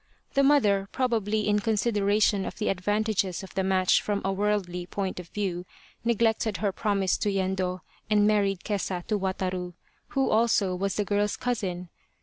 The mother, probably in consideration of the advantages of the match from a worldly point of view, neglected her promise to Yendo, and married Kesa to Wataru, who also was the girl's cousin.